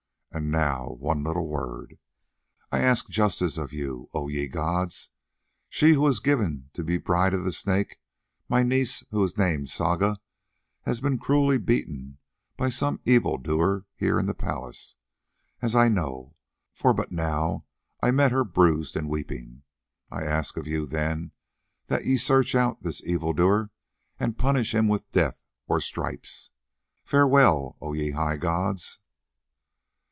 And now one little word. I ask justice of you, O ye gods. She who was given to be bride of the Snake, my niece who is named Saga, has been cruelly beaten by some evil doer here in the palace, as I know, for but now I met her bruised and weeping. I ask of you then that ye search out this evil doer and punish him with death or stripes. Farewell, O ye high gods."